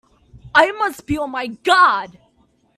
I must be on my guard!